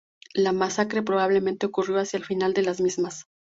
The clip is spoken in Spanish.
La masacre probablemente ocurrió hacia el final de las mismas.